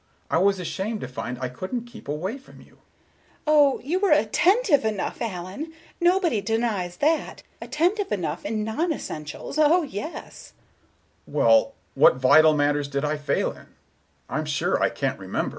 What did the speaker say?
I was ashamed to find I couldn't keep away from you." Miss Galbraith: "Oh, you were attentive enough, Allen; nobody denies that. Attentive enough in non essentials. Oh, yes!" Mr. Richards: "Well, what vital matters did I fail in? I'm sure I can't remember."